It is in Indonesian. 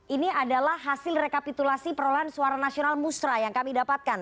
ini adalah hasil rekapitulasi perolahan suara nasional musrah yang kami dapatkan